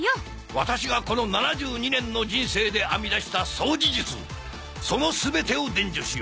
ワタシがこの７２年の人生で編み出した掃除術その全てを伝授しよう。